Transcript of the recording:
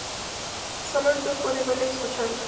Sólo Arthur puede verla y escucharla.